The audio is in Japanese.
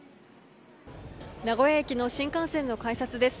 名古屋駅の新幹線の改札です。